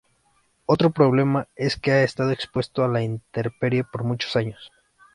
Otro problema es que ha estado expuesto a la intemperie por muchos años.